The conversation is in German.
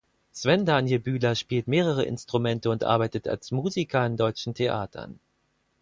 Sven Daniel Bühler spielt mehrere Instrumente und arbeitet als Musiker an deutschen Theatern.